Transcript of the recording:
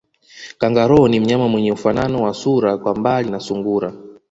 Kangaroo ni mnyama mwenye ufanano wa sura kwa mbali na sungura